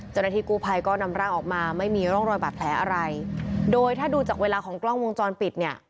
เจ้าหน้าที่กู้ภัยก็นำร่างออกมาไม่มีร่องรอยบาดแผลอะไรโดยถ้าดูจากเวลาของกล้องวงจรปิดเนี่ย